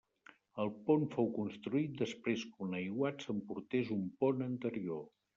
El pont fou construït després que un aiguat s'emportés un pont anterior.